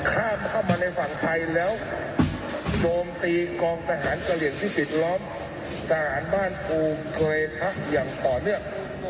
ข้ามเข้ามาในฝั่งไทยแล้วโจมตีกองทหารกระเหลี่ยงที่ติดล้อมจากอันบ้านภูมิทะเลทักอย่างต่อเนื่อง